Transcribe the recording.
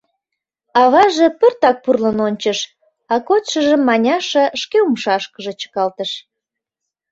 — аваже пыртак пурлын ончыш, а кодшыжым Маняша шке умшашкыже чыкалтыш.